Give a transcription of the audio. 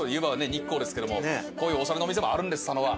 日光ですけどもこういうオシャレなお店もあるんです佐野は。